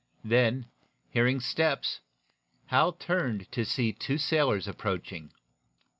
Then, hearing steps, Hal turned to see two sailors approaching.